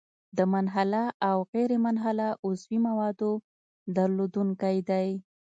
د منحله او غیرمنحله عضوي موادو درلودونکی دی.